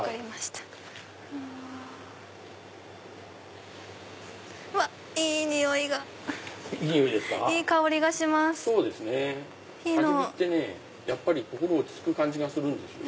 たき火ってねやっぱり心落ち着く感じがするんですよ。